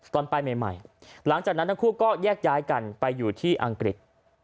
ตอนไปใหม่หลังจากนั้นทั้งคู่ก็แยกย้ายกันไปอยู่ที่อังกฤษ